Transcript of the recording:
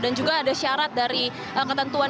dan juga ada syarat dari ketentuan